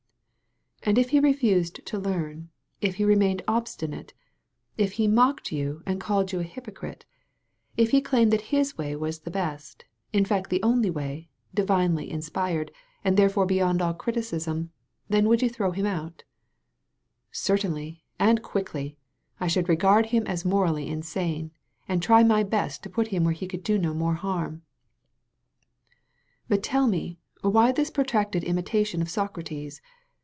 "And if he refused to learn; if he remained ob stinate; if he mocked you and called you a hypo crite; if he claimed that his way was the best, in fact the only way, divinely inspired, and therefore 192 A CLASSIC INSTANCE beyond aU criticism, then you would throw him out?" '' Certainly, and quickly! I should regard him as morally insane, and try my best to put him where he could do no more harm. But tell me why this protracted imitation of Socrates?